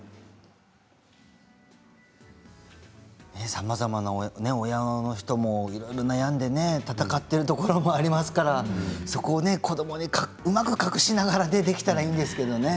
さまざまな親もいろいろ悩んで闘っているところもありますからそこを子どもにうまく隠しながらできたらいいんですけどね。